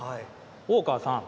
大川さん